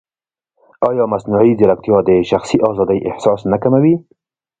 ایا مصنوعي ځیرکتیا د شخصي ازادۍ احساس نه کموي؟